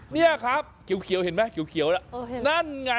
นี่ครับเขียวเห็นไหมเขียวแล้วนั่นไง